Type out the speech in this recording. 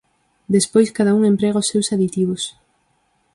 Despois cada un emprega os seus aditivos.